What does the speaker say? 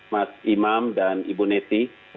mas imam dan ibu neti